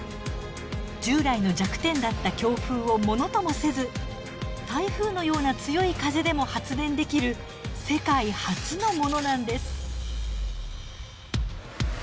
従来の弱点だった強風をものともせず台風のような強い風でも発電できる世界初のものなんです。